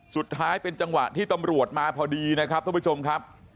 สุดท้ายเป็นจังหวะที่ตำรวจมาพอดีนะครับทุกผู้ชมครับ